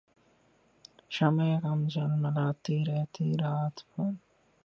شمع غم جھلملاتی رہی رات بھر